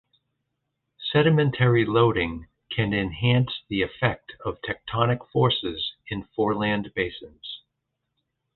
Sedimentary loading can enhance the effect of tectonic forces in foreland basins.